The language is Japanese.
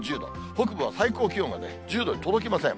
北部は最高気温がね、１０度に届きません。